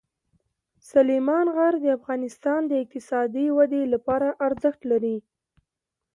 سلیمان غر د افغانستان د اقتصادي ودې لپاره ارزښت لري.